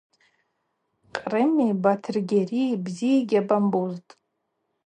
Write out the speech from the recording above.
Кърыми Батыргьарии бзи йгьабамбузтӏ.